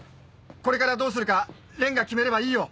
これからどうするか蓮が決めればいいよ。